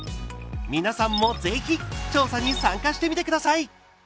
皆さんもぜひ調査に参加してみてください。